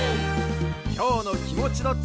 きょうのきもちどっち